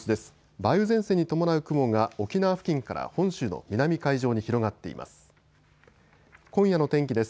梅雨前線に伴う雲が沖縄付近から本州の南海上に広がっています。